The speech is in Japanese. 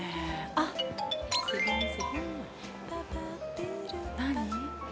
あっ、何？